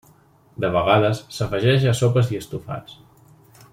De vegades s'afegeix a sopes i estofats.